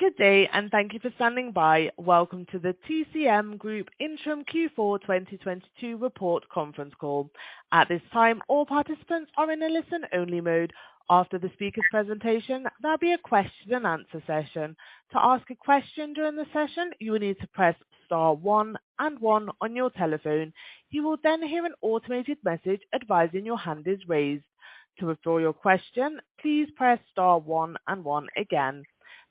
Good day. Thank you for standing by. Welcome to the TCM Group interim Q4 2022 report conference call. At this time, all participants are in a listen-only mode. After the speaker presentation, there'll be a question and answer session. To ask a question during the session, you will need to press star one and one on your telephone. You will hear an automated message advising your hand is raised. To withdraw your question, please press star one and one again.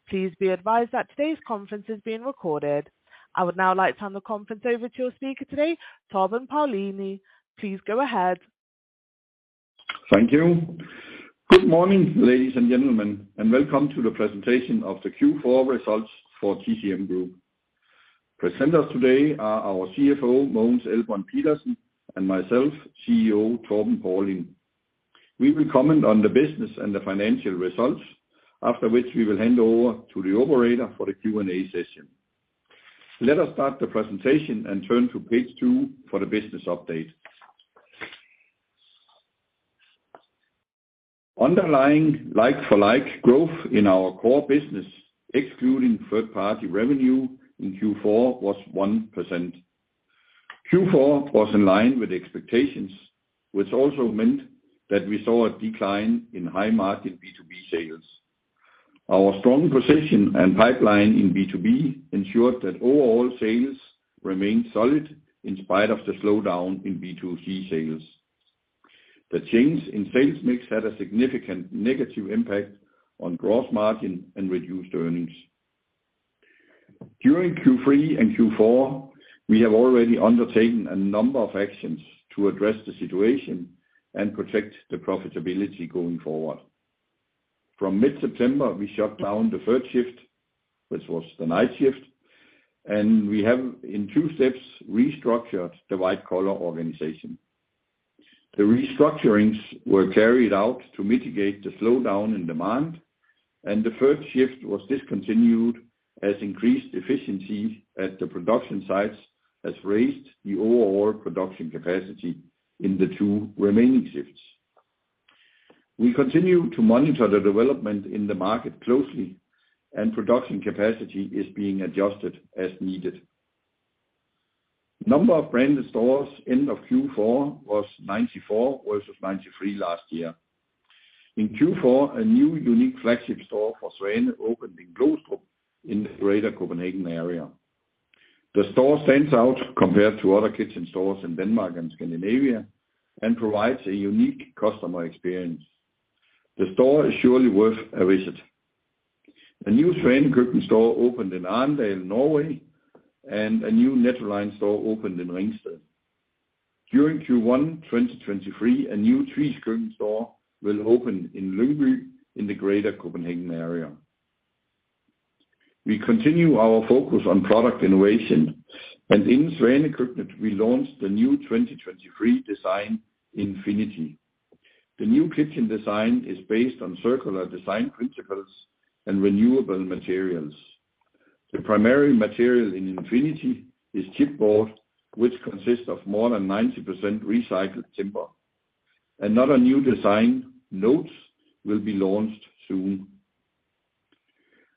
Please be advised that today's conference is being recorded. I would now like to hand the conference over to your speaker today, Torben Paulin. Please go ahead.. Thank you. Good morning, ladies and gentlemen, welcome to the presentation of the Q4 results for TCM Group. Presenters today are our CFO, Mogens Elbrønd Pedersen, and myself, CEO Torben Paulin. We will comment on the business and the financial results, after which we will hand over to the operator for the Q&A session. Let us start the presentation and turn to page two for the business update. Underlying like-for-like growth in our core business, excluding third-party revenue in Q4, was 1%. Q4 was in line with expectations, which also meant that we saw a decline in high-margin B2B sales. Our strong position and pipeline in B2B ensured that overall sales remained solid in spite of the slowdown in B2C sales. The change in sales mix had a significant negative impact on gross margin and reduced earnings. During Q3 and Q4, we have already undertaken a number of actions to address the situation and protect the profitability going forward. From mid-September, we shut down the third shift, which was the night shift, and we have, in two steps, restructured the white-collar organization. The restructurings were carried out to mitigate the slowdown in demand, and the third shift was discontinued as increased efficiency at the production sites has raised the overall production capacity in the two remaining shifts. We continue to monitor the development in the market closely, and production capacity is being adjusted as needed. Number of branded stores end of Q4 was 94 versus 93 last year. In Q4, a new unique flagship store for Svane opened in Glostrup in the Greater Copenhagen area. The store stands out compared to other kitchen stores in Denmark and Scandinavia and provides a unique customer experience. The store is surely worth a visit. A new Svane Køkken store opened in Arendal, Norway, and a new Nettoline store opened in Ringsted. During Q1 2023, a new Tvis Køkken store will open in Lyngby in the Greater Copenhagen area. We continue our focus on product innovation, and in Svane Køkkenet, we launched the new 2023 design INFINITY. The new kitchen design is based on circular design principles and renewable materials. The primary material in INFINITY is chipboard, which consists of more than 90% recycled timber. Another new design, Notes, will be launched soon.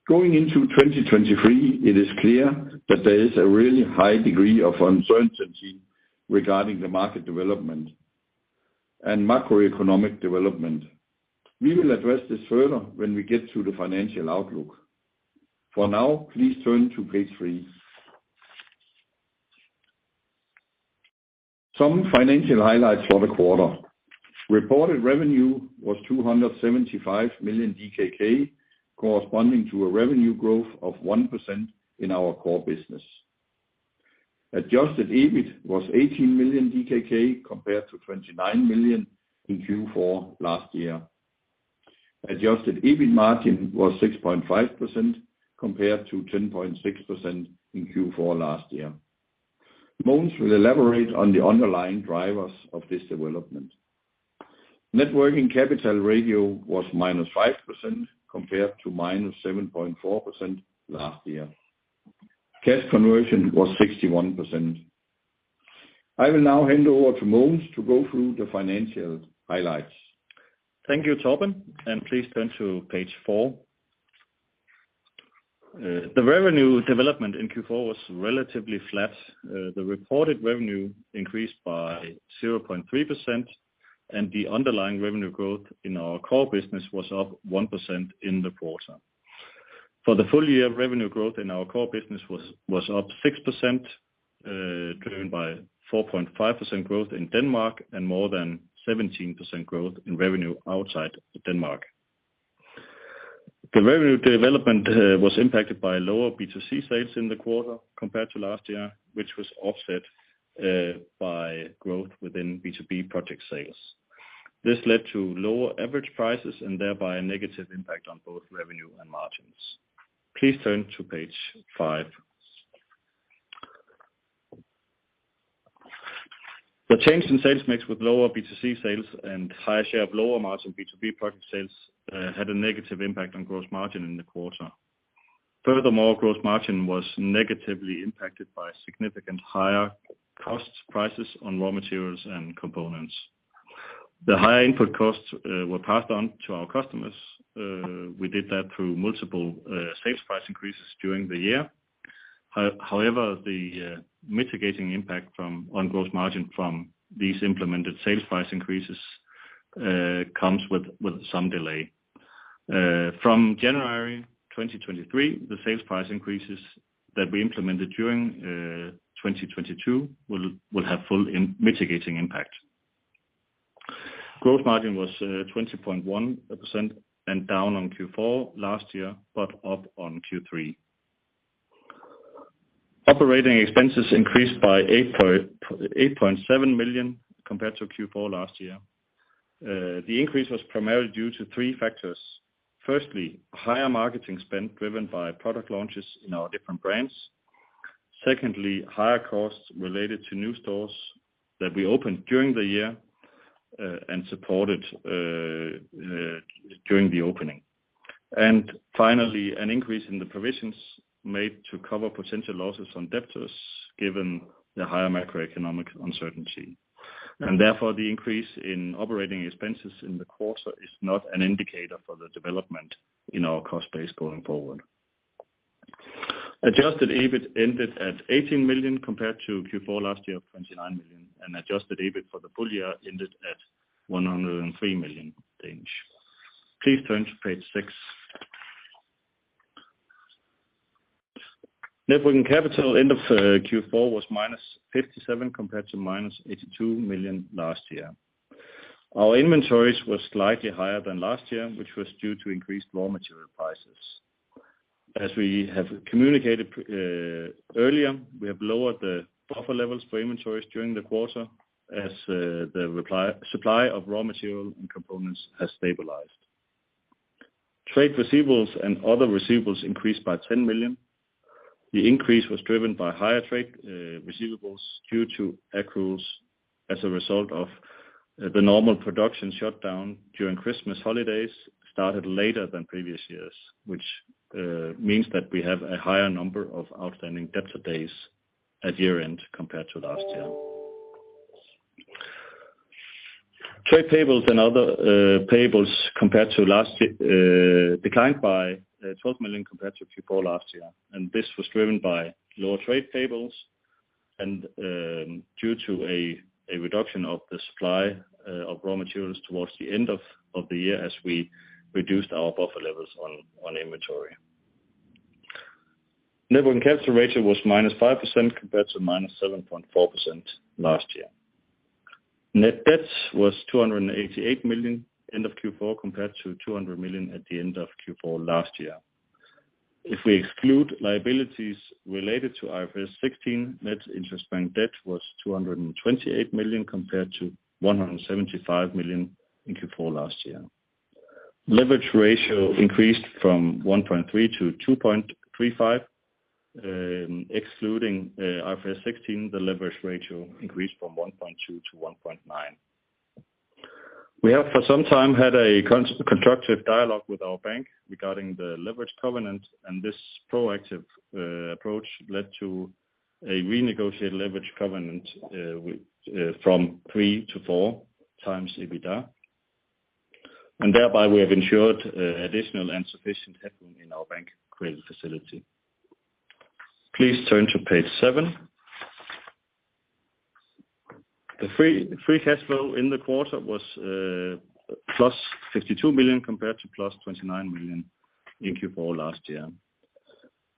Going into 2023, it is clear that there is a really high degree of uncertainty regarding the market development and macroeconomic development. We will address this further when we get to the financial outlook. For now, please turn to page three. Some financial highlights for the quarter. Reported revenue was 275 million DKK, corresponding to a revenue growth of 1% in our core business. Adjusted EBIT was 18 million DKK, compared to 29 million in Q4 last year. Adjusted EBIT margin was 6.5%, compared to 10.6% in Q4 last year. Mogens will elaborate on the underlying drivers of this development. Net working capital ratio was -5%, compared to -7.4% last year. Cash conversion was 61%. I will now hand over to Mogens to go through the financial highlights. Thank you, Torben. Please turn to page four. The revenue development in Q4 was relatively flat. The reported revenue increased by 0.3%. The underlying revenue growth in our core business was up 1% in the quarter. For the full year, revenue growth in our core business was up 6%, driven by 4.5% growth in Denmark and more than 17% growth in revenue outside Denmark. The revenue development was impacted by lower B2C sales in the quarter compared to last year, which was offset by growth within B2B project sales. This led to lower average prices and thereby a negative impact on both revenue and margins. Please turn to page 5. The change in sales mix with lower B2C sales and higher share of lower margin B2B project sales had a negative impact on gross margin in the quarter. Furthermore, gross margin was negatively impacted by significant higher cost prices on raw materials and components. The higher input costs were passed on to our customers. We did that through multiple sales price increases during the year. However, the mitigating impact from, on gross margin from these implemented sales price increases comes with some delay. From January 2023, the sales price increases that we implemented during 2022 will have full mitigating impact. Gross margin was 20.1% and down on Q4 last year, but up on Q3. Operating expenses increased by 8.7 million compared to Q4 last year. The increase was primarily due to three factors. Firstly, higher marketing spend driven by product launches in our different brands. Secondly, higher costs related to new stores that we opened during the year and supported during the opening. Finally, an increase in the provisions made to cover potential losses on debtors given the higher macroeconomic uncertainty. Therefore, the increase in operating expenses in the quarter is not an indicator for the development in our cost base going forward. Adjusted EBIT ended at 18 million compared to Q4 last year of 29 million, and adjusted EBIT for the full year ended at 103 million. Please turn to page 6. Net working capital end of Q4 was minus 57 compared to minus 82 million last year. Our inventories were slightly higher than last year, which was due to increased raw material prices. As we have communicated earlier, we have lowered the buffer levels for inventories during the quarter as the supply of raw material and components has stabilized. Trade receivables and other receivables increased by 10 million. The increase was driven by higher trade receivables due to accruals as a result of the normal production shutdown during Christmas holidays started later than previous years, which means that we have a higher number of outstanding debtor days at year-end compared to last year. Trade payables and other payables compared to last year declined by 12 million compared to Q4 last year. This was driven by lower trade payables due to a reduction of the supply of raw materials towards the end of the year as we reduced our buffer levels on inventory. Net working capital ratio was -5% compared to -7.4% last year. Net debts was 288 million end of Q4 compared to 200 million at the end of Q4 last year. If we exclude liabilities related to IFRS 16, net interest bank debt was 228 million compared to 175 million in Q4 last year. Leverage ratio increased from 1.3 to 2.35. Excluding IFRS 16, the leverage ratio increased from 1.2-1.9. We have for some time had a constructive dialogue with our bank regarding the leverage covenant, this proactive approach led to a renegotiated leverage covenant from 3x to 4x EBITDA. Thereby, we have ensured additional and sufficient headroom in our bank credit facility. Please turn to page seven. The free cash flow in the quarter was + 52 million compared to + 29 million in Q4 last year.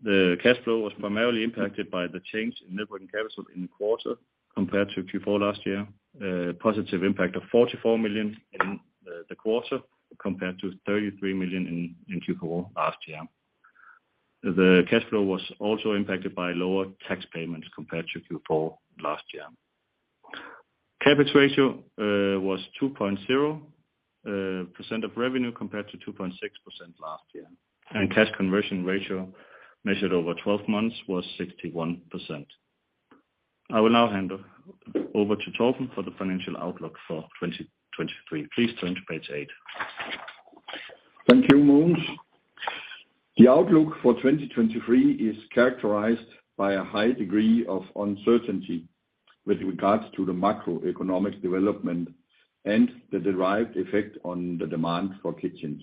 The cash flow was primarily impacted by the change in net working capital in the quarter compared to Q4 last year. Positive impact of 44 million in the quarter compared to 33 million in Q4 last year. The cash flow was also impacted by lower tax payments compared to Q4 last year. CapEx ratio was 2.0% of revenue compared to 2.6% last year. Cash conversion ratio measured over 12 months was 61%. I will now hand over to Torben for the financial outlook for 2023. Please turn to page 8. Thank you, Mogens. The outlook for 2023 is characterized by a high degree of uncertainty with regards to the macroeconomic development and the derived effect on the demand for kitchens.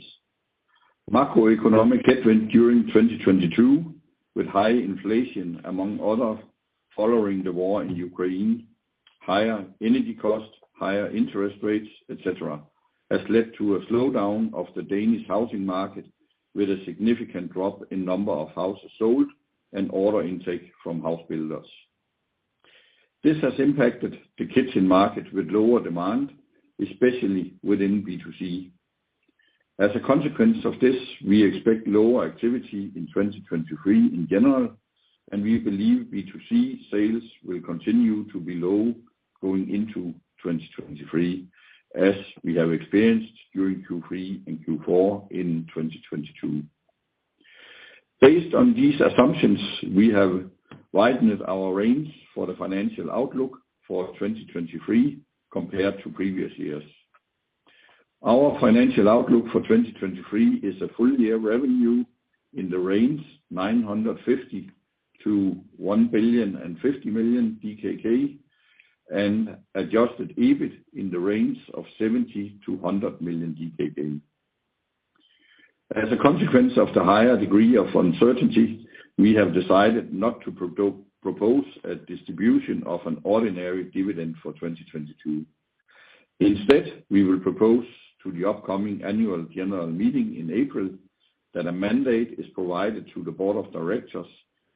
Macroeconomic headwind during 2022, with high inflation among other following the war in Ukraine, higher energy costs, higher interest rates, et cetera, has led to a slowdown of the Danish housing market with a significant drop in number of houses sold and order intake from house builders. This has impacted the kitchen market with lower demand, especially within B2C. As a consequence of this, we expect lower activity in 2023 in general, and we believe B2C sales will continue to be low going into 2023, as we have experienced during Q3 and Q4 in 2022. Based on these assumptions, we have widened our range for the financial outlook for 2023 compared to previous years. Our financial outlook for 2023 is a full year revenue in the range 950 million-1,050 million DKK, and adjusted EBIT in the range of 70 million-100 million DKK. As a consequence of the higher degree of uncertainty, we have decided not to propose a distribution of an ordinary dividend for 2022. Instead, we will propose to the upcoming annual general meeting in April that a mandate is provided to the board of directors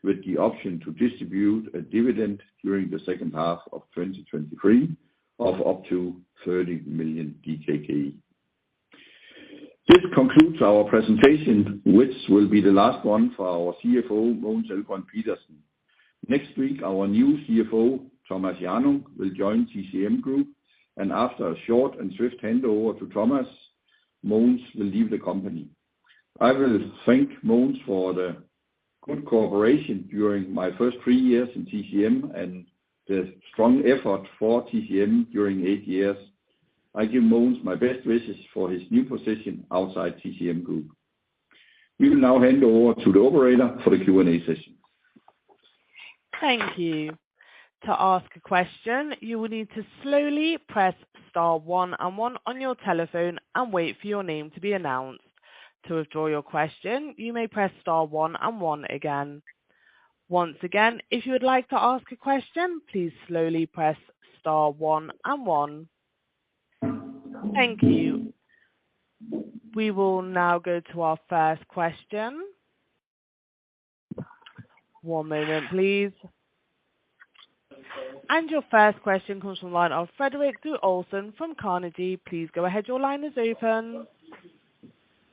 with the option to distribute a dividend during the second half of 2023 of up to 30 million DKK. This concludes our presentation, which will be the last one for our CFO, Mogens Elbrønd Pedersen. Next week, our new CFO, Thomas Hjannung, will join TCM Group, and after a short and swift handover to Thomas, Mogens will leave the company. I will thank Mogens for the good cooperation during my first three years in TCM and the strong effort for TCM during 8 years. I give Mogens my best wishes for his new position outside TCM Group. We will now hand over to the operator for the Q&A session. Thank you. To ask a question, you will need to slowly press star one and one on your telephone and wait for your name to be announced. To withdraw your question, you may press star one and one again. Once again, if you would like to ask a question, please slowly press star one and one. Thank you. We will now go to our first question. One moment, please. Your first question comes from the line of Frederikke Due Olsen from Carnegie. Please go ahead. Your line is open.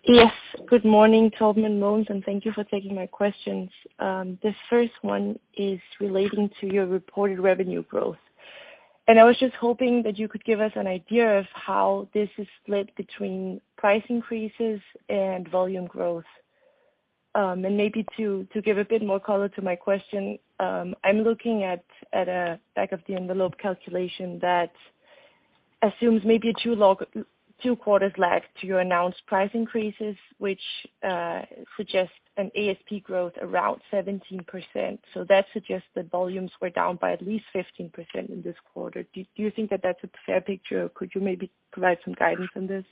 Yes. Good morning, Torben and Mogens, and thank you for taking my questions. The first one is relating to your reported revenue growth. I was just hoping that you could give us an idea of how this is split between price increases and volume growth. Maybe to give a bit more color to my question, I'm looking at a back of the envelope calculation that assumes maybe a two quarters lag to your announced price increases, which suggests an ASP growth around 17%. That suggests that volumes were down by at least 15% in this quarter. Do you think that that's a fair picture? Could you maybe provide some guidance on this?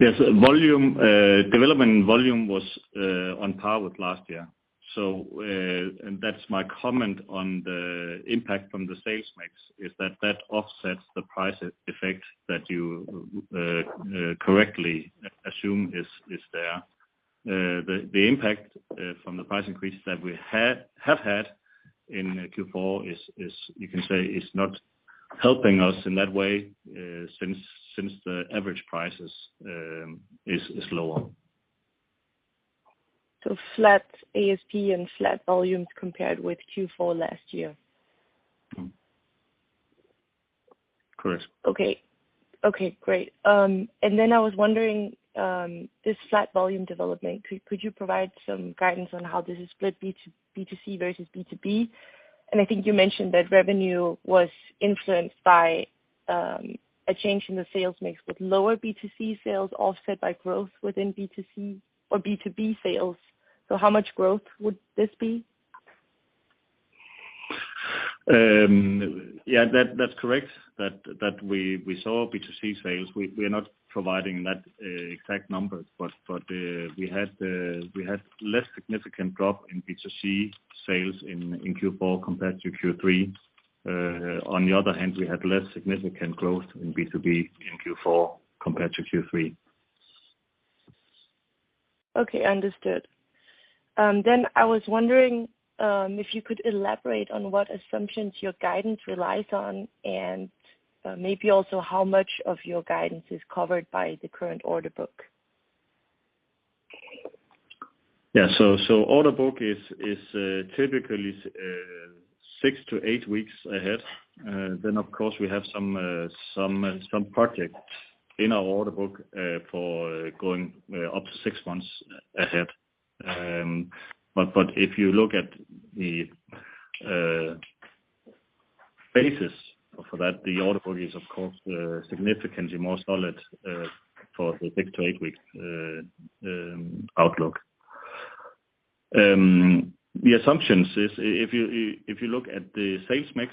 Yes. Volume development volume was on par with last year. That's my comment on the impact from the sales mix is that that offsets the price effect that you correctly assume is there. The impact from the price increases that we had, have had in Q4 is you can say is not helping us in that way, since the average price is lower. Flat ASP and flat volumes compared with Q4 last year? Correct. Okay. Okay, great. I was wondering, this flat volume development, could you provide some guidance on how this is split B2C versus B2B? I think you mentioned that revenue was influenced by a change in the sales mix with lower B2C sales offset by growth within B2C or B2B sales. How much growth would this be? Yeah. That's correct that we saw B2C sales. We're not providing that exact number, but we had less significant drop in B2C sales in Q4 compared to Q3. On the other hand, we had less significant growth in B2B in Q4 compared to Q3. Okay, understood. I was wondering if you could elaborate on what assumptions your guidance relies on, and maybe also how much of your guidance is covered by the current order book? Yeah. order book is typically six to eight weeks ahead. Of course we have some projects in our order book for going up to six months ahead. If you look at the basis for that, the order book is of course significantly more solid for the six to eight week outlook. The assumptions is if you look at the sales mix,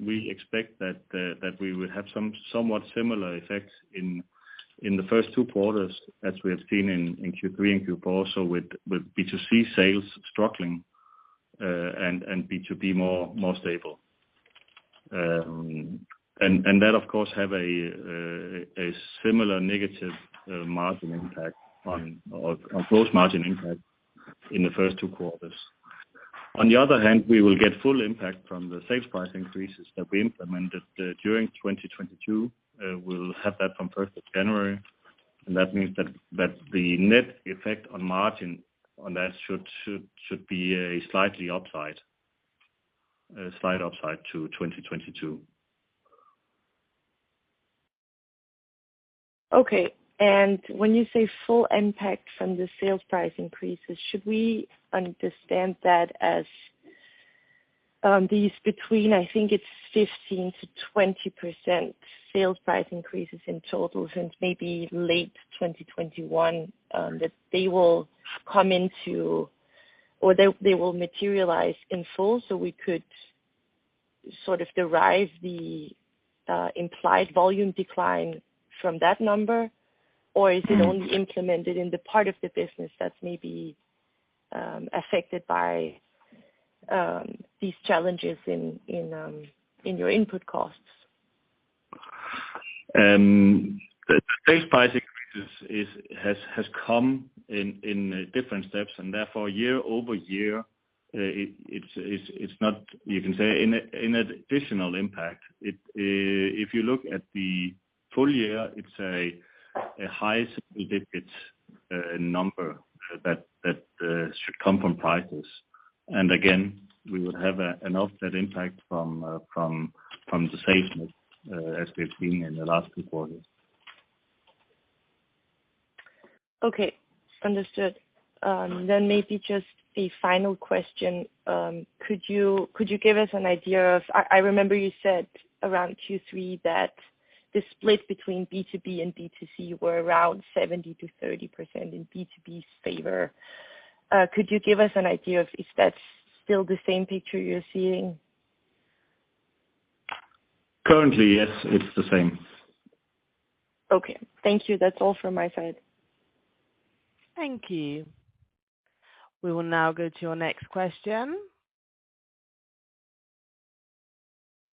we expect that we will have some somewhat similar effects in the first two quarters as we have seen in Q3 and Q4, with B2C sales struggling and B2B more stable. That of course have a similar negative margin impact on or a close margin impact in the first two quarters. On the other hand, we will get full impact from the sales price increases that we implemented during 2022. We'll have that from 1st of January. That means that the net effect on margin on that should be a slight upside to 2022. Okay. When you say full impact from the sales price increases, should we understand that as, these between, I think it's 15%-20% sales price increases in total since maybe late 2021, that they will come into or they will materialize in full so we could sort of derive the implied volume decline from that number? Or is it only implemented in the part of the business that's maybe affected by these challenges in your input costs? The price increases is, has come in different steps, therefore, year-over-year, it's not, you can say in additional impact. It, if you look at the full year, it's a high single digits, number that should come from prices. Again, we would have, an offset impact from the savings, as we have seen in the last two quarters. Okay. Understood. Maybe just the final question. Could you give us an idea of remember you said around Q3 that the split between B2B and B2C were around 70%-30% in B2B's favor. Could you give us an idea of is that still the same picture you're seeing? Currently, yes, it's the same. Okay. Thank you. That's all from my side. Thank you. We will now go to your next question.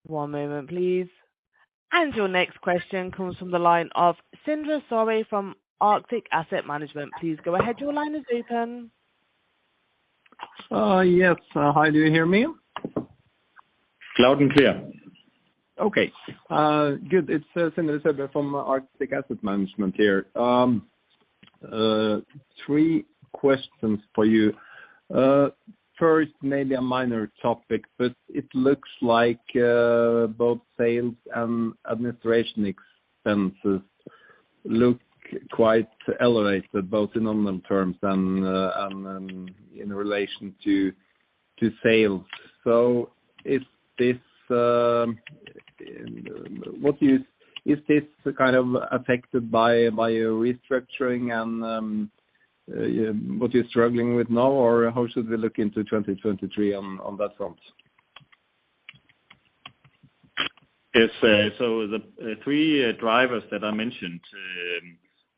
One moment, please. Your next question comes from the line of Sindre Sørbye from Arctic Asset Management. Please go ahead. Your line is open. Yes. Hi, do you hear me? Loud and clear. Good. It's Sindre Sørbye from Arctic Asset Management here. Three questions for you. First, maybe a minor topic, but it looks like both sales and administration expenses look quite elevated, both in online terms and in relation to sales. Is this kind of affected by your restructuring and what you're struggling with now? Or how should we look into 2023 on that front? Yes. The three drivers that I mentioned,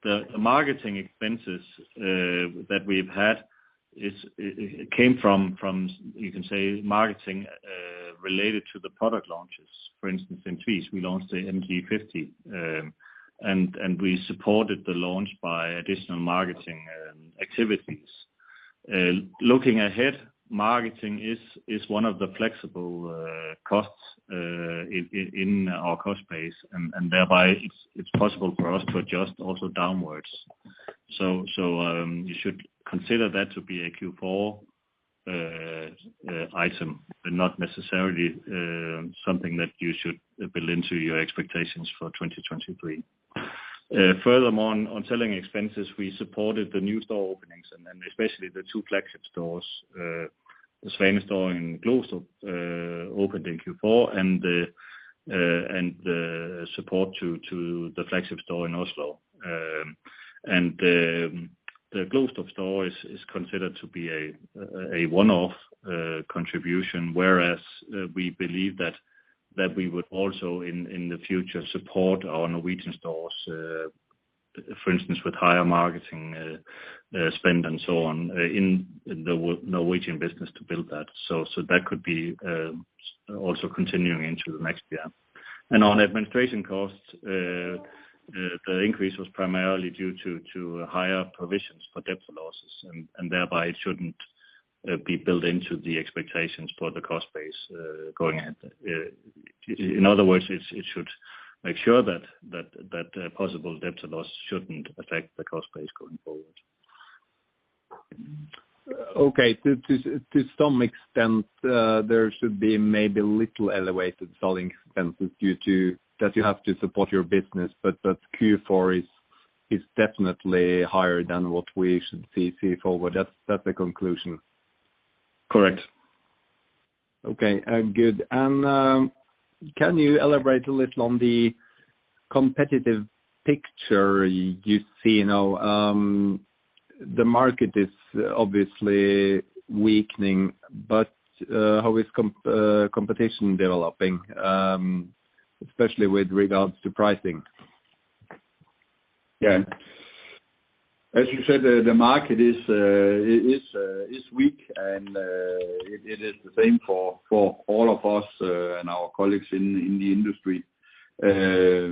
the marketing expenses that we've had, it came from, you can say, marketing related to the product launches. For instance, in Tvis, we launched the MG50, and we supported the launch by additional marketing activities. Looking ahead, marketing is one of the flexible costs in our cost base, and thereby it's possible for us to adjust also downwards. You should consider that to be a Q4 item, and not necessarily something that you should build into your expectations for 2023. Furthermore, on selling expenses, we supported the new store openings, and then especially the two flagship stores, the Svane store in Glostrup, opened in Q4 and the support to the flagship store in Oslo. The Glostrup store is considered to be a one-off contribution, whereas we believe that we would also in the future support our Norwegian stores, for instance, with higher marketing spend and so on, in the Norwegian business to build that. That could be also continuing into the next year. On administration costs, the increase was primarily due to higher provisions for debt losses, and thereby it shouldn't be built into the expectations for the cost base going ahead. in other words, it should make sure that possible debt loss shouldn't affect the cost base going forward. To some extent, there should be maybe little elevated selling expenses due to that you have to support your business, but Q4 is definitely higher than what we should see forward. That's the conclusion. Correct. Okay, good. Can you elaborate a little on the competitive picture you see now? The market is obviously weakening, how is competition developing, especially with regards to pricing? Yeah. As you said, the market is weak, and it is the same for all of us and our colleagues in the industry. There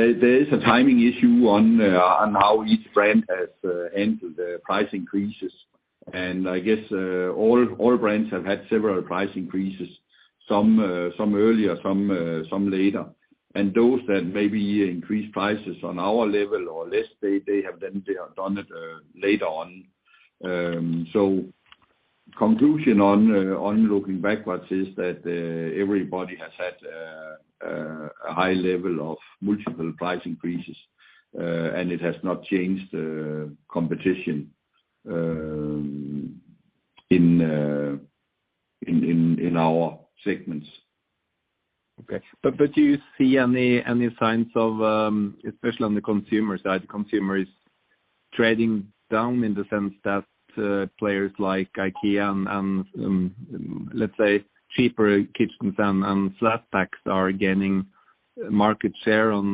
is a timing issue on how each brand has handled the price increases. I guess, all brands have had several price increases, some earlier, some later. Those that maybe increased prices on our level or less, they have then done it later on. Conclusion on looking backwards is that everybody has had. A high level of multiple price increases, and it has not changed the competition, in our segments. Okay. Do you see any signs of, especially on the consumer side, consumers trading down in the sense that, players like IKEA and let's say cheaper kitchens and flat packs are gaining market share on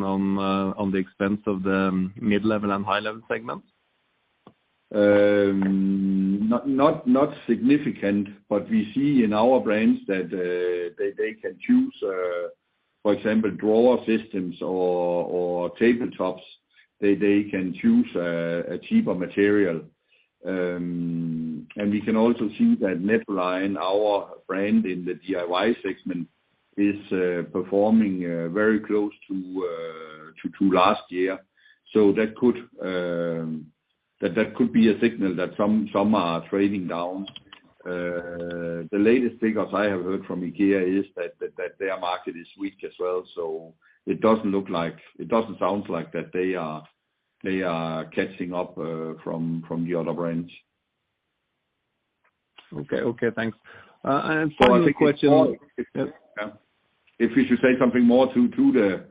the expense of the mid-level and high-level segments? Not, not significant, we see in our brands that they can choose, for example, drawer systems or tabletops. They can choose a cheaper material. We can also see that Nettoline, our brand in the DIY segment, is performing very close to last year. That could be a signal that some are trading down. The latest figures I have heard from IKEA is that their market is weak as well, it doesn't sound like that they are catching up from the other brands. Okay. Okay, thanks. finally a question-. Yeah. If we should say something more to the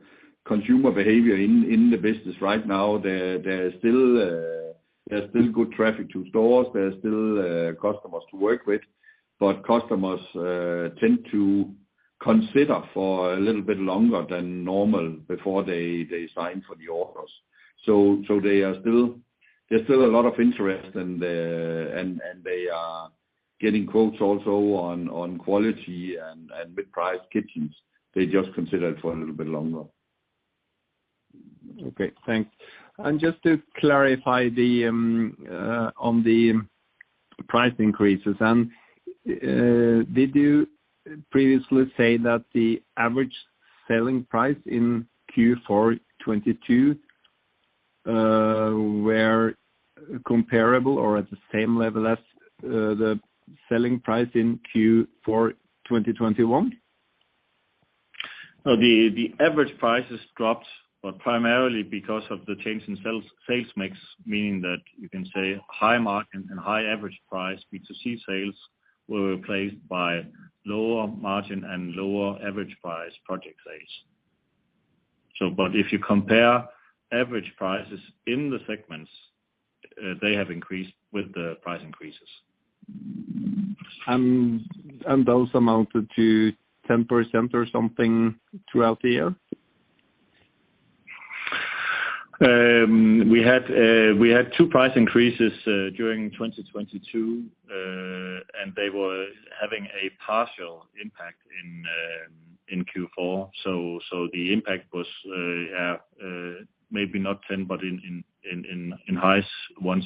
consumer behavior in the business right now, there's still good traffic to stores. There's still customers to work with. Customers tend to consider for a little bit longer than normal before they sign for the orders. They are still, there's still a lot of interest and they are getting quotes also on quality and with price kitchens. They just consider it for a little bit longer. Okay, thanks. Just to clarify the on the price increases, did you previously say that the average selling price in Q4 2022 were comparable or at the same level as the selling price in Q4 2021? The average prices dropped, but primarily because of the change in sales mix, meaning that you can say high margin and high average price B2C sales were replaced by lower margin and lower average price project sales. If you compare average prices in the segments, they have increased with the price increases. those amounted to 10% or something throughout the year? ncreases during 2022, and they were having a partial impact in Q4. The impact was maybe not 10, but in high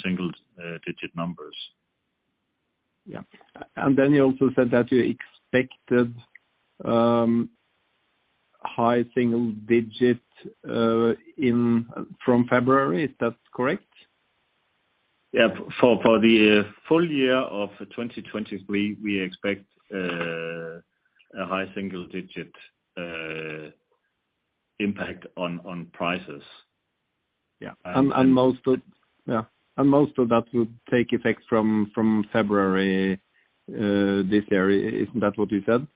single-digit numbers Yeah. Then you also said that you expected high single digit in, from February. Is that correct? Yeah. For the full year of 2023, we expect a high single digit impact on prices. Yeah. Yeah. Most of that will take effect from February this year. Isn't that what you said?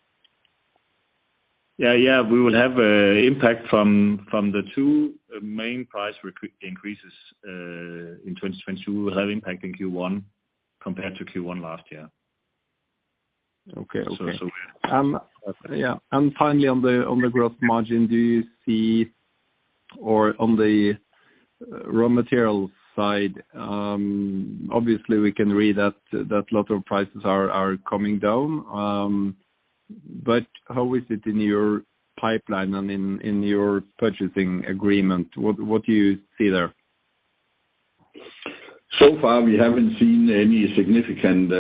Yeah. We will have a impact from the two main price increases in 2022 will have impact in Q1 compared to Q1 last year. Okay. Okay. So, Finally, on the gross margin, do you see or on the raw material side, obviously we can read that a lot of prices are coming down, but how is it in your pipeline and in your purchasing agreement? What do you see there? So far, we haven't seen any significant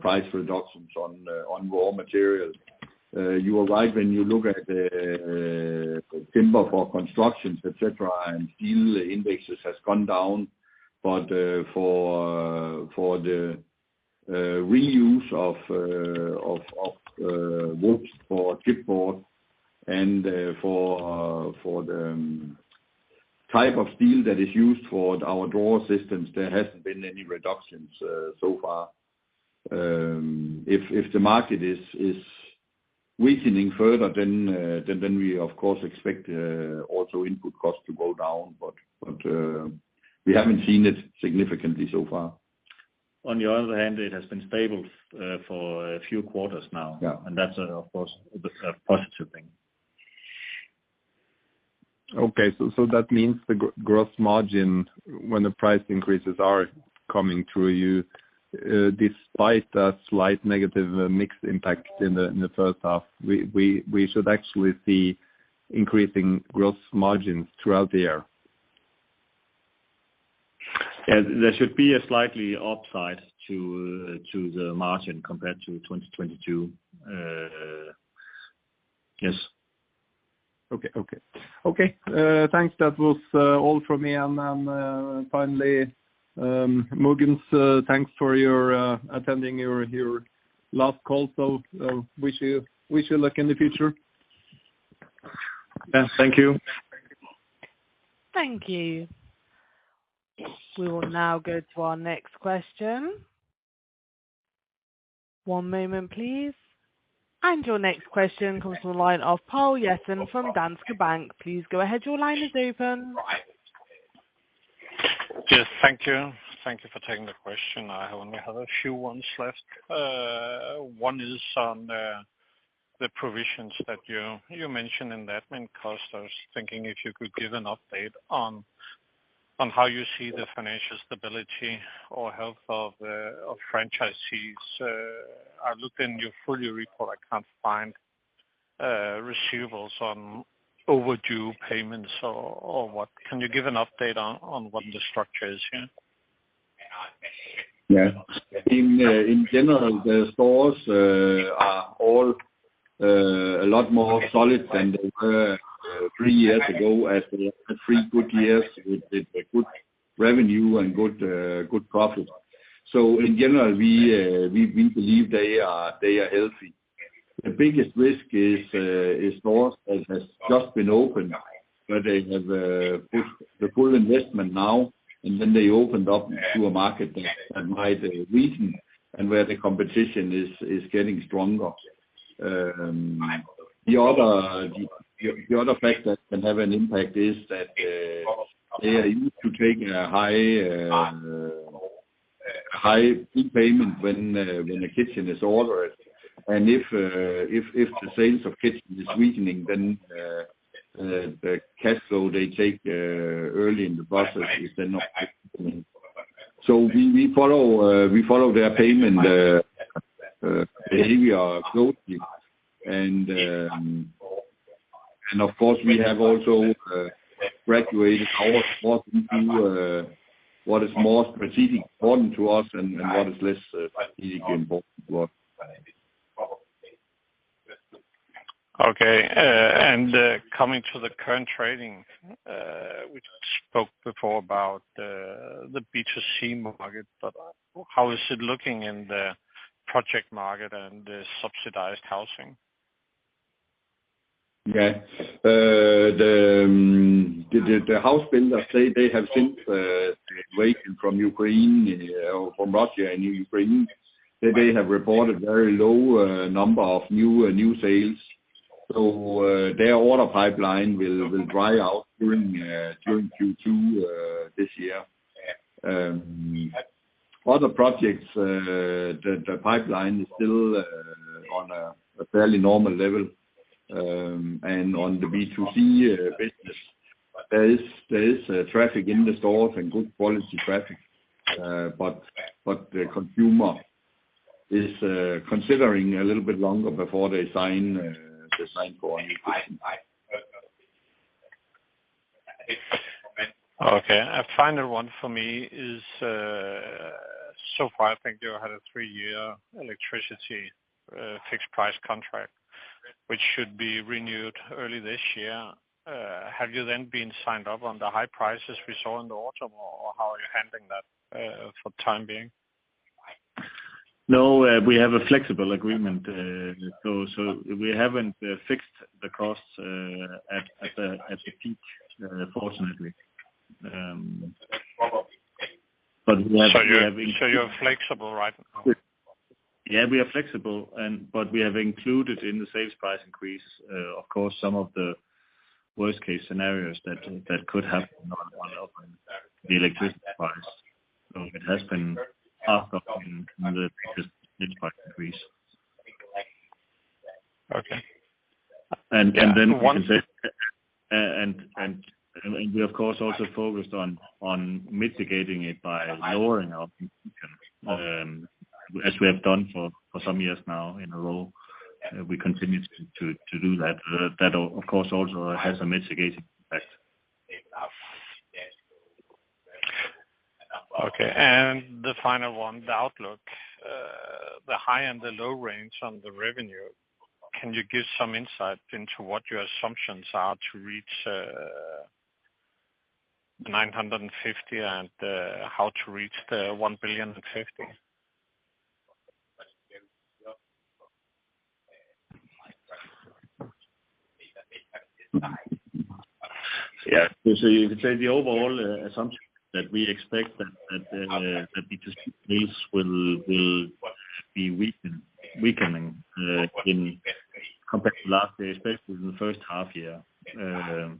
price reductions on raw materials. You are right when you look at timber for constructions, et cetera, and steel indexes have gone down. For the reuse of woods for chipboard and for the type of steel that is used for our drawer systems, there hasn't been any reductions so far. If the market is weakening further, then we of course expect also input costs to go down. We haven't seen it significantly so far. On the other hand, it has been stable for a few quarters now. Yeah. That's, of course a positive thing. That means the gross margin when the price increases are coming through you, despite a slight negative mix impact in the first half, we should actually see increasing gross margins throughout the year? Yeah. There should be a slightly upside to the margin compared to 2022. Yes. Okay. Okay. Okay. Thanks. That was all from me. Then, finally Mogens, thanks for your attending your last call. Wish you luck in the future. Yes, thank you. Thank you. We will now go to our next question. One moment please. Your next question comes from the line of Poul Jessen from Danske Bank. Please go ahead, your line is open. Yes, thank you. Thank you for taking the question. I only have a few ones left. One is on the provisions that you mentioned in the admin cost. I was thinking if you could give an update on how you see the financial stability or health of franchisees. I looked in your full year report, I can't find receivables on overdue payments or what. Can you give an update on what the structure is here? Yeah. In general, the stores are all a lot more solid than they were three years ago as they had three good years with the good revenue and good profit. In general, we believe they are healthy. The biggest risk is stores that has just been opened, where they have put the full investment now, and then they opened up to a market that might weaken and where the competition is getting stronger. The other fact that can have an impact is that they are used to taking a high, high fee payment when a kitchen is ordered. If the sales of kitchen is weakening, then the cash flow they take early in the process is then not. We follow their payment behavior closely. Of course we have also graduated our support into what is most strategically important to us and what is less strategically important to us. Okay. Coming to the current trading, we spoke before about the B2C market, but how is it looking in the project market and the subsidized housing? The house builders say they have seen the invasion from Ukraine, or from Russia into Ukraine, they have reported very low number of new sales. Their order pipeline will dry out during Q2 this year. Other projects, the pipeline is still on a fairly normal level. On the B2C business, there is traffic in the stores and good quality traffic. The consumer is considering a little bit longer before they sign, they sign for any kitchen. Okay. A final one for me is, so far I think you had a three-year electricity fixed price contract, which should be renewed early this year. Have you then been signed up on the high prices we saw in the autumn, or how are you handling that for the time being? No, we have a flexible agreement. We haven't fixed the costs at the peak, fortunately. We are having- You're flexible right now? We are flexible and but we have included in the sales price increase, of course, some of the worst case scenarios that could happen on the electricity price. It has been part of in the price increase. Okay. Then we can. One- We of course also focused on mitigating it by lowering our as we have done for some years now in a row. We continue to do that. That of course also has a mitigating effect. Okay. The final one, the outlook. The high and the low range on the revenue, can you give some insight into what your assumptions are to reach the 950 and how to reach the 1,000,000,050? Yeah. You could say the overall assumption that we expect that B2C sales will be weakening in compared to last year, especially in the first half year. That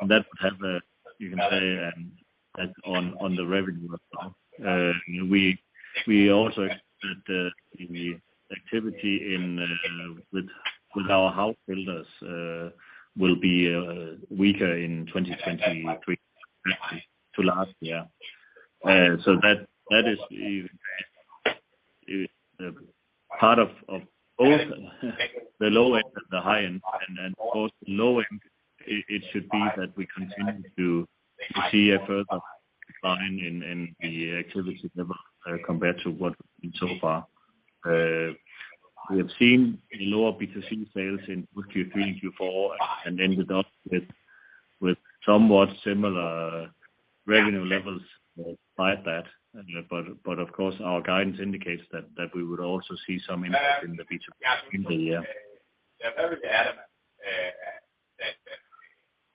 would have a, you can say, as on the revenue as well. We also expect that the activity in with our house builders will be weaker in 2023 compared to last year. That is part of both the low end and the high end. Then of course the low end, it should be that we continue to see a further decline in the activity level compared to what we've seen so far. We have seen lower B2C sales in both Q3 and Q4, and ended up with somewhat similar revenue levels despite that. Of course, our guidance indicates that we would also see some impact in the B2C in the year.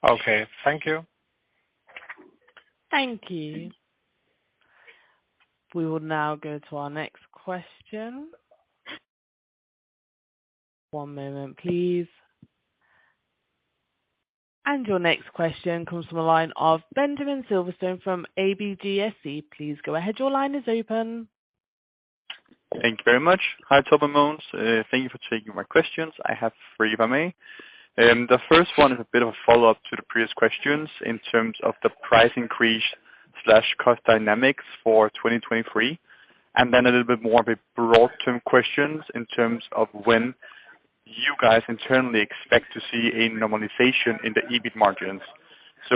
Okay, thank you. Thank you. We will now go to our next question. One moment, please. Your next question comes from the line of Benjamin Silverstone from ABGSC. Please go ahead. Your line is open. Thank you very much. Hi, Torben and Mogens. Thank you for taking my questions. I have three for me. The first one is a bit of a follow-up to the previous questions in terms of the price increase/cost dynamics for 2023. A little bit more of a broad term questions in terms of when you guys internally expect to see a normalization in the EBIT margins.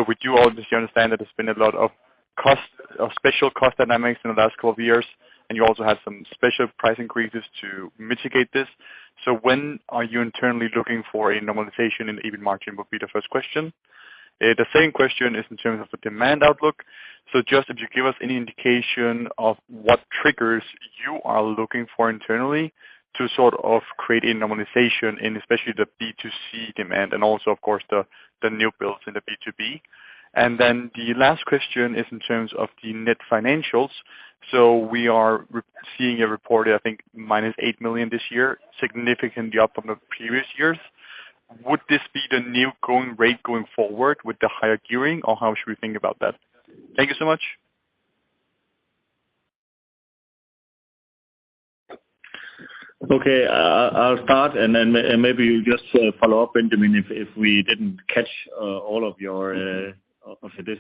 We do all just understand that there's been a lot of cost, of special cost dynamics in the last couple of years, and you also have some special price increases to mitigate this. When are you internally looking for a normalization in the EBIT margin, would be the first question. The second question is in terms of the demand outlook. Just if you give us any indication of what triggers you are looking for internally to sort of create a normalization in especially the B2C demand and also, of course, the new builds in the B2B. The last question is in terms of the net financials. We are re-seeing a reported, I think, -8 million this year, significantly up from the previous years. Would this be the new growing rate going forward with the higher gearing, or how should we think about that? Thank you so much. Okay. I'll start and then maybe you just follow up, Benjamin, if we didn't catch all of your of this.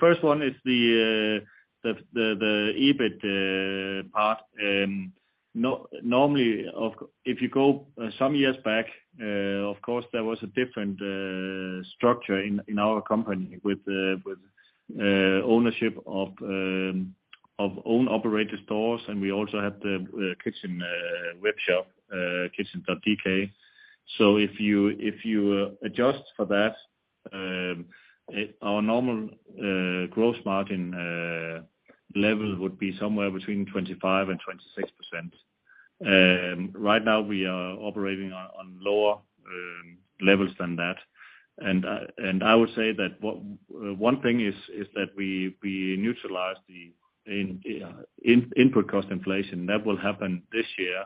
First one is the the the EBIT part. normally of... If you go some years back, of course, there was a different structure in our company with ownership of own operator stores, and we also have the kitchen webshop, Kitchn.dk. If you, if you adjust for that, our normal gross margin level would be somewhere between 25% and 26%. Right now we are operating on lower levels than that. I would say that what one thing is that we neutralize the input cost inflation. That will happen this year.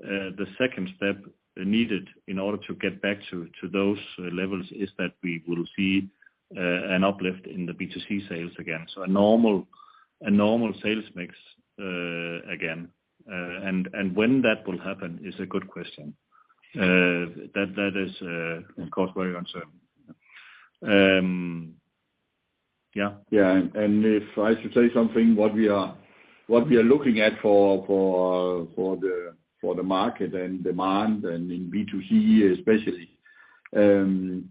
The second step needed in order to get back to those levels is that we will see an uplift in the B2C sales again. A normal sales mix again. When that will happen is a good question. That is, of course, very uncertain. Yeah. Yeah. If I should say something, what we are looking at for the market and demand and in B2C especially, in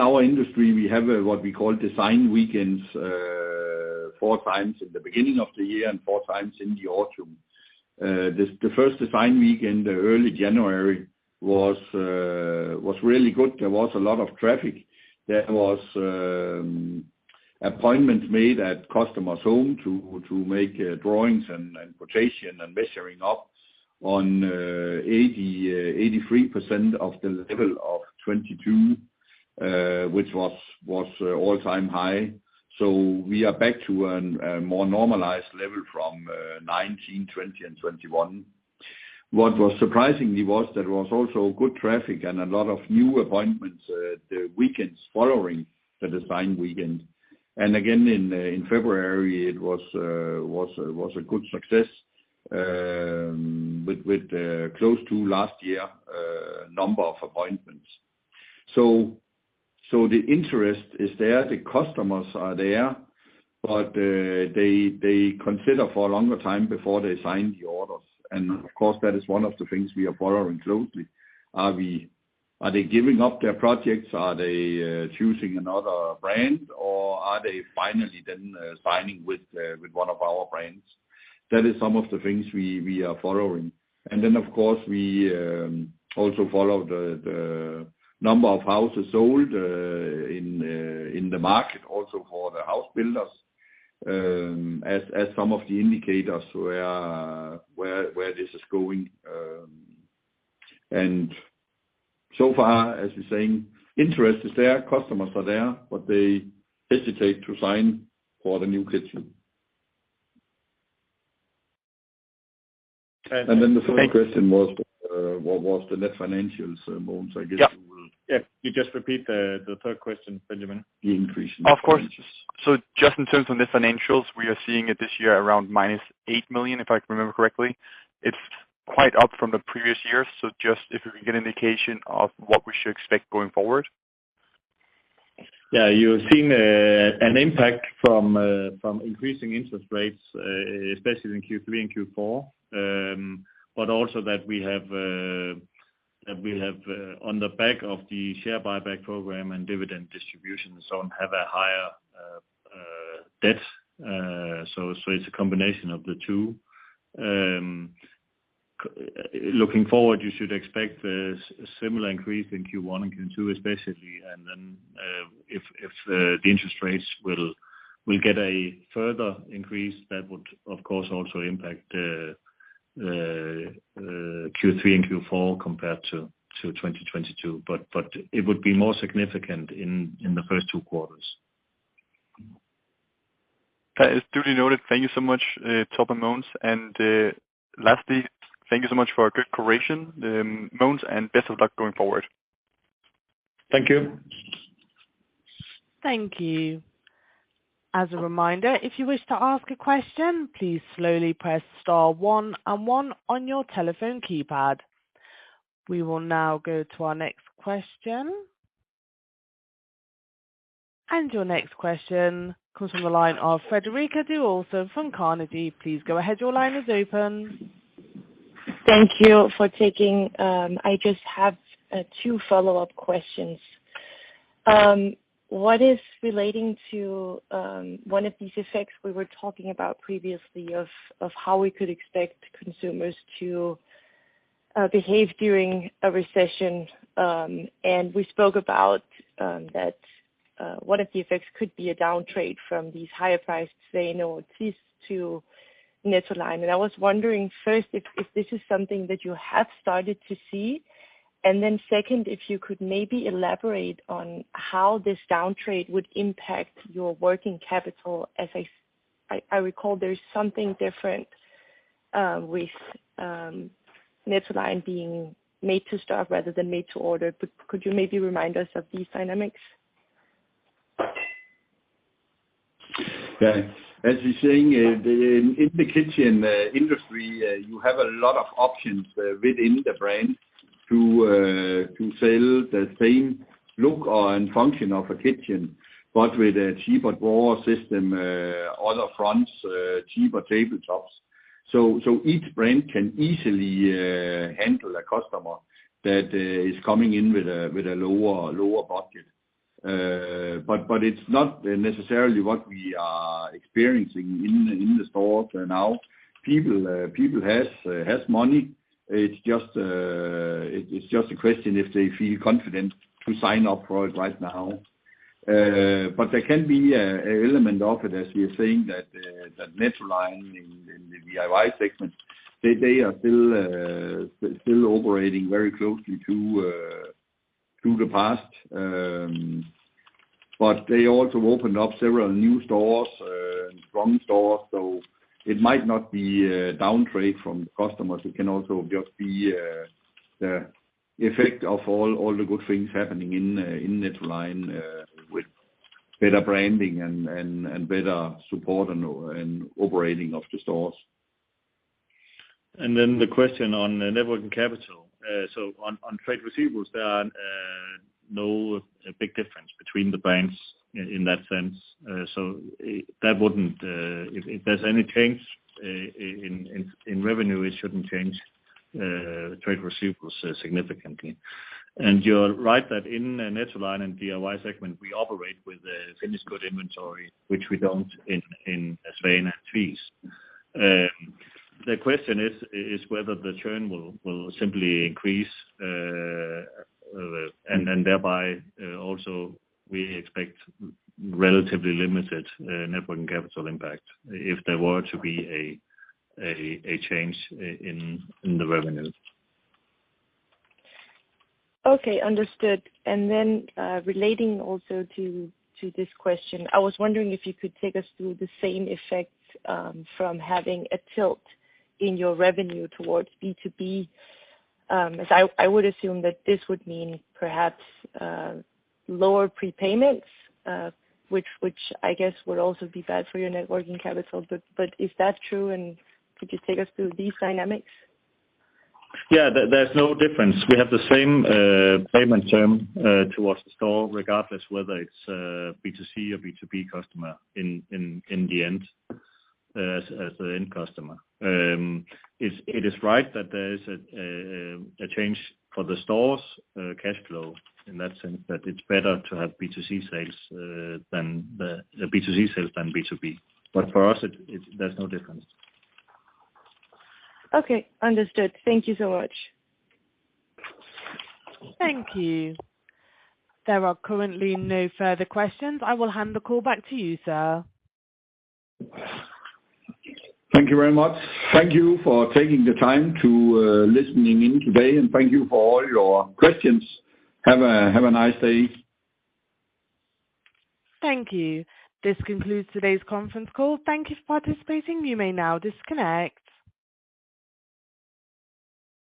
our industry, we have what we call design weekends, four times in the beginning of the year and four times in the autumn. The first design weekend, early January, was really good. There was a lot of traffic. There was appointments made at customers' home to make drawings and quotation and measuring up on 83% of the level of 2022, which was all-time high. We are back to a more normalized level from 2019, 2020, and 2021. What was surprising me was there was also good traffic and a lot of new appointments the weekends following the design weekend. Again in February, it was a good success with close to last year number of appointments. So the interest is there, the customers are there, but they consider for a longer time before they sign the orders. Of course, that is one of the things we are following closely. Are they giving up their projects? Are they choosing another brand, or are they finally then signing with one of our brands? That is some of the things we are following. Of course, we also follow the number of houses sold in the market also for the house builders, as some of the indicators where this is going. So far, as you're saying, interest is there, customers are there, but they hesitate to sign for the new kitchen. And, and thank- The third question was, what was the net financials, Mogens, I guess you will? Yeah. Yeah. You just repeat the third question, Benjamin. The increase in net financials. Of course. Just in terms of net financials, we are seeing it this year around minus 8 million, if I can remember correctly. It's quite up from the previous years. Just if we can get an indication of what we should expect going forward? Yeah. You're seeing an impact from increasing interest rates, especially in Q3 and Q4. Also that we have on the back of the share buyback program and dividend distribution and so on, have a higher. That's, so it's a combination of the two. Looking forward, you should expect a similar increase in Q1 and Q2 especially. Then, if the interest rates will get a further increase, that would, of course, also impact Q3 and Q4 compared to 2022. It would be more significant in the first two quarters. That is duly noted. Thank you so much, Torben Mogens. Lastly, thank you so much for a good correction, Mogens, and best of luck going forward. Thank you. Thank you. As a reminder, if you wish to ask a question, please slowly press star 1 and 1 on your telephone keypad. We will now go to our next question. Your next question comes from the line of Frederikke Due Olsen from Carnegie. Please go ahead. Your line is open. Thank you for taking. I just have two follow-up questions. What is relating to one of these effects we were talking about previously of how we could expect consumers to behave during a recession? We spoke about that one of the effects could be a downtrade from these higher priced, say, you know, Tvis to Nettoline. I was wondering first if this is something that you have started to see? Then second, if you could maybe elaborate on how this downtrade would impact your working capital? As I recall there's something different with Nettoline being made to stock rather than made to order. Could you maybe remind us of these dynamics? Yeah. As you're saying, the, in the kitchen industry, you have a lot of options within the brand to sell the same look or, and function of a kitchen, but with a cheaper drawer system, other fronts, cheaper tabletops. Each brand can easily handle a customer that is coming in with a lower budget. It's not necessarily what we are experiencing in the stores now. People has money. It's just a question if they feel confident to sign up for it right now. There can be a element of it, as we are saying that Nettoline in the DIY segment, they are still operating very closely to the past. Um, but they also opened up several new stores, uh, and strong stores. So it might not be a downtrade from the customers. It can also just be, uh, the effect of all, all the good things happening in, uh, in Nettoline, uh, with better branding and, and, and better support and, and operating of the stores. The question on net working capital. On trade receivables, there are no big difference between the banks in that sense. That wouldn't if there's any change in revenue, it shouldn't change trade receivables significantly. You're right that in Nettoline and DIY segment, we operate with a finished good inventory, which we don't in Svane and Tvis. The question is whether the churn will simply increase thereby also we expect relatively limited net working capital impact if there were to be a change in the revenue. Okay. Understood. Relating also to this question. I was wondering if you could take us through the same effect from having a tilt in your revenue towards B2B. As I would assume that this would mean perhaps lower prepayments, which I guess would also be bad for your networking capital. Is that true, and could you take us through these dynamics? Yeah. There's no difference. We have the same payment term towards the store, regardless whether it's a B2C or B2B customer in the end, as the end customer. It is right that there is a change for the store's cash flow in that sense, that it's better to have B2C sales than B2C sales than B2B, but for us it's, there's no difference. Okay. Understood. Thank you so much. Thank you. There are currently no further questions. I will hand the call back to you, sir. Thank you very much. Thank you for taking the time to listening in today, and thank you for all your questions. Have a nice day. Thank you. This concludes today's conference call. Thank you for participating. You may now disconnect.